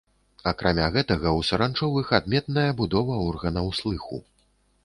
Акрамя гэтага ў саранчовых адметная будова органаў слыху.